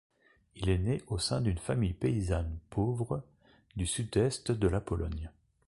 Il est né au sein d'une famille paysanne pauvre du sud-est de la Pologne.